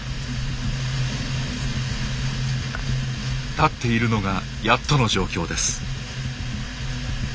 立っているのがやっとの状況です。